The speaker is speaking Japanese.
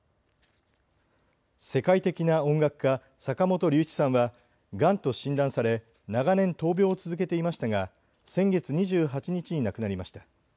世界的な音楽家、坂本龍一さんはがんと診断され長年、闘病を続けていましたが先月２８日に亡くなりました。